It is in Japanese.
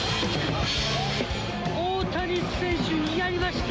大谷選手、やりました。